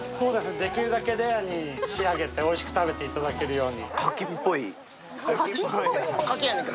できるだけレアに仕上げておいしく食べていただけるように。